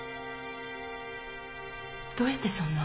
どうしてそんな？